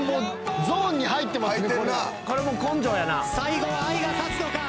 最後は愛が勝つのか？